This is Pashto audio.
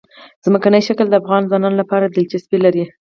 ځمکنی شکل د افغان ځوانانو لپاره دلچسپي لري.